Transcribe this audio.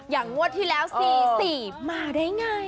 งวดที่แล้ว๔๔มาได้ไง